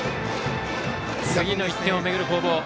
次の１点を巡る攻防。